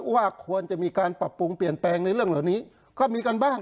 ว่าควรจะมีการปรับปรุงเปลี่ยนแปลงในเรื่องเหล่านี้ก็มีกันบ้าง